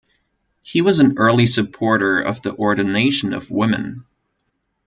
He was an early supporter of the ordination of women.